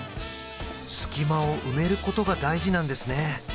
隙間を埋めることが大事なんですね